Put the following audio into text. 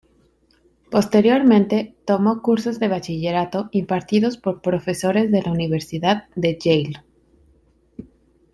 Posteriormente tomó cursos de bachillerato impartidos por profesores de la Universidad de Yale.